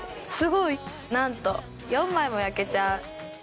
すごい！なんと４枚も焼けちゃう。